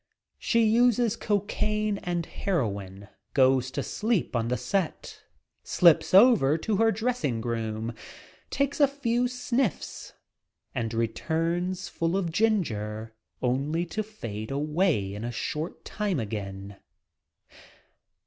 She uses cocaine and heroin, goes to sleep on the set, slips over to her dressing room, takes a few "sniffs" and returns full of ginger, only to fade away in a short time again.